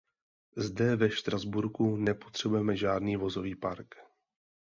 Zde ve Štrasburku nepotřebujeme žádný vozový park.